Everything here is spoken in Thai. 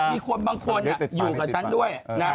มีคนบางคนอยู่กับฉันด้วยนะ